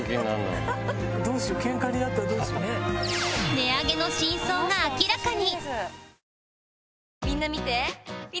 値上げの真相が明らかに！